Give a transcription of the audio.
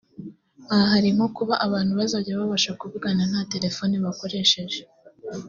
Aha hari nko kuba abantu bazajya babasha kuvugana nta telephone bakoresheje